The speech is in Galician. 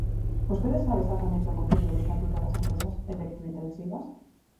¿Vostede sabe exactamente o contido do Estatuto das empresas electrointensivas?